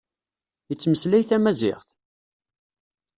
Yettmeslay tamaziɣt?